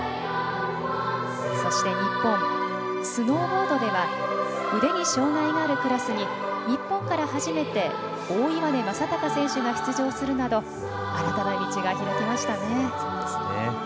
そして、日本、スノーボードでは腕に障がいがあるクラスに日本から初めて大岩根雅彦選手が出場するなど新たな道が開きましたね。